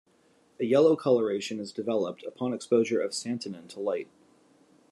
A yellow coloration is developed upon exposure of santonin to light.